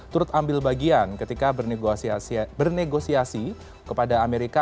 turut ambil bagian ketika bernegosiasi kepada amerika